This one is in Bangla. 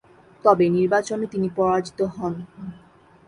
তবে নির্বাচনে তিনি পরাজিত হন।